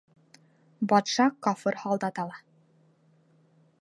Батша кафыр һалдат ала